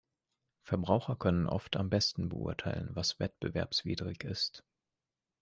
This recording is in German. Verbraucher können oft am besten beurteilen, was wettbewerbswidrig ist.